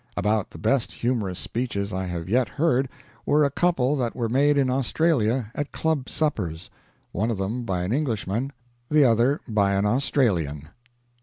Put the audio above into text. About the best humorous speeches I have yet heard were a couple that were made in Australia at club suppers one of them by an Englishman, the other by an Australian.